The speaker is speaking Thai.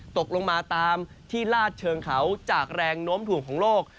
ตกลงมาตามที่ลาดเชิงเขาจากแรงโน้มถ่วงของโลก